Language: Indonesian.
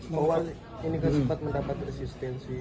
bahwa ini kan sempat mendapat resistensi